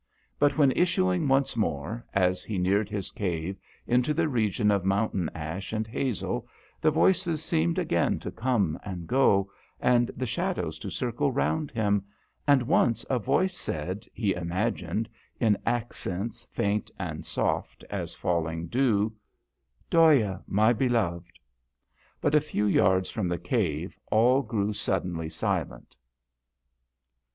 But when issuing once more, as he neared his cave, into the region of moun tain ash and hazel the voices seemed again to come and go, and the shadows to circle round him, and once a voice said, he imagined, in accents faint and soft as falling dew, " Dhoya, my beloved." But a few yards from the cave all grew suddenly silent.